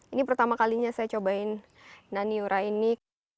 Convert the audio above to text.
ini pertama kalinya saya cobain nani ura ini